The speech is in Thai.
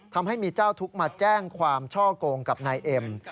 ทำให้มีเจ้าทุกข์มาแจ้งความช่อกงกับนายเอ็ม